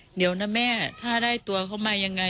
เดี๋ยวนะแม่ถ้าได้ตัวเขามายังไง